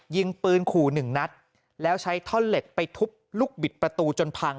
ยิงปืนขู่หนึ่งนัดแล้วใช้ท่อนเหล็กไปทุบลูกบิดประตูจนพัง